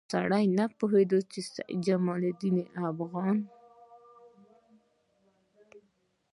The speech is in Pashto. سړی نه پوهېږي چې سید جمال الدین افغاني.